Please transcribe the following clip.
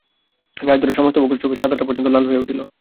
রাজধরের সমস্ত মুখ, চোখের সাদাটা পর্যন্ত লাল হইয়া উঠিল।